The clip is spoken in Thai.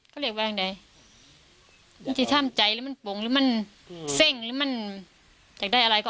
เฉยแล้วเหมือนแล้วแม่นเค้าคิดว่า